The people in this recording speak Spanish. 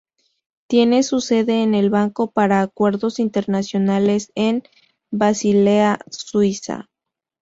Tiene su sede en el Banco para Acuerdos Internacionales en Basilea, Suiza.